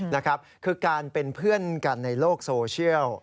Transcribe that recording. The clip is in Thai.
นะครับคือการเป็นเพื่อนกันในโลกโซเชียล